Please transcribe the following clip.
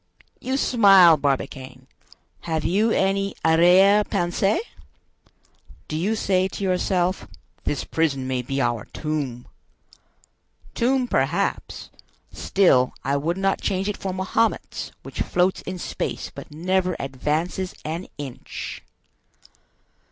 You smile, Barbicane. Have you any arriere pensee? Do you say to yourself, 'This prison may be our tomb?' Tomb, perhaps; still I would not change it for Mahomet's, which floats in space but never advances an inch!"